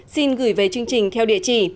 xin gửi về chương trình theo địa chỉ